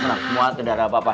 semua tidak ada apa apa